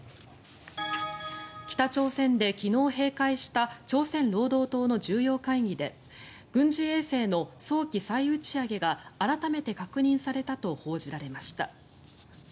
北朝鮮で昨日閉会した朝鮮労働党の重要会議で軍事衛星の早期再打ち上げが改めて確認されたと報じられました。